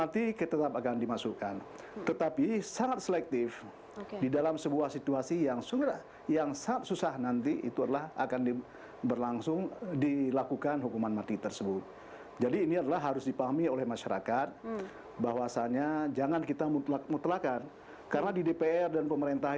terima kasih terima kasih